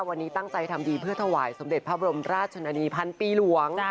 วันนี้ตั้งใจทำดีเพื่อถวายสมเด็จพระบรมราชนีพันปีหลวง